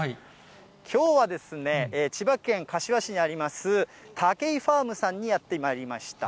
きょうはですね、千葉県柏市にあります、タケイファームさんにやってまいりました。